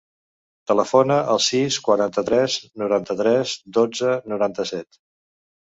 Telefona al sis, quaranta-tres, noranta-tres, dotze, noranta-set.